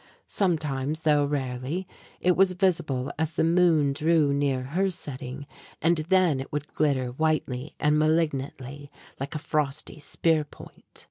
Sometimes, though rarely, it was visible as the moon drew near her setting, and then it would glitter whitely and malignantly, like a frosty spear point.